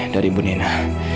dari ibu nena